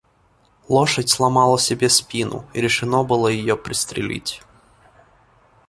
Лошадь сломала себе спину, и решено было ее пристрелить.